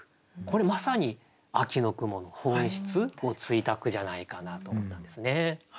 これまさに秋の雲の本質をついた句じゃないかなと思ったんですね。